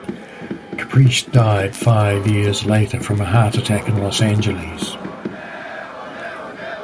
Caprice died five years later from a heart attack in Los Angeles.